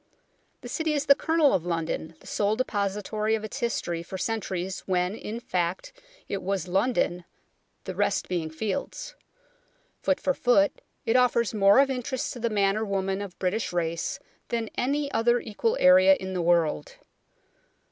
The City is the kernel of London, the sole depository of its history for centuries, when, in fact, it was London, the rest being fields. Foot for foot, it offers more of interest to the man or woman of British race than any other equal area in the world.